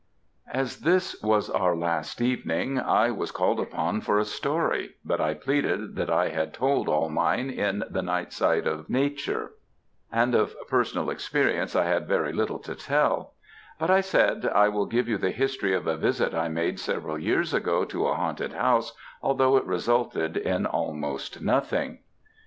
"As this was our last evening, I was called upon for a story; but I pleaded that I had told all mine in the 'Night Side of Nature,' and of personal experience I had very little to tell; but I said I will give you the history of a visit I made several years ago to a haunted house although it resulted in almost nothing.